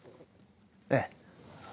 ええ。